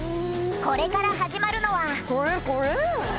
これから始まるのはこれこれ。